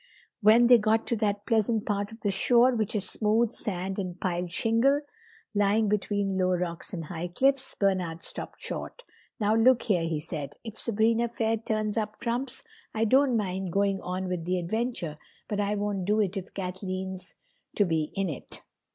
When they got to that pleasant part of the shore which is smooth sand and piled shingle, lying between low rocks and high cliffs, Bernard stopped short. "Now, look here," he said, "if Sabrina fair turns up trumps I don't mind going on with the adventure, but I won't do it if Kathleen's to be in it."